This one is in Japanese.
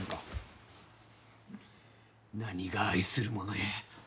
何が愛する者や。